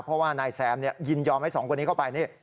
เพราะว่านายแซมเนี่ยยินยอมให้๒คนนี้เข้าไป